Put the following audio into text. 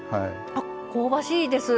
あっ香ばしいです。